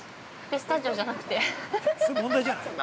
◆ピスタチオじゃなくて！？